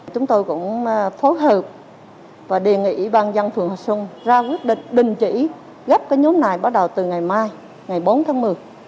chúng tôi cũng phối hợp và đề nghị ủy ban dân phường hòa xuân ra quyết định đình chỉ gấp cái nhóm này bắt đầu từ ngày mai ngày bốn tháng một mươi